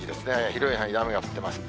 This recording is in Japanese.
広い範囲で雨が降ってます。